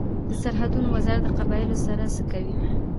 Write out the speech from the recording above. د سرحدونو وزارت له قبایلو سره څه کوي؟